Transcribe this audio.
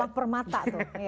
laper mata tuh